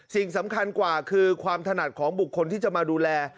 สิ่งสำคัญกว่าคือความถนัดของบุคคลที่จะมาดูแล